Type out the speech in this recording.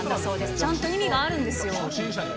ちゃんと意味があるんですよ。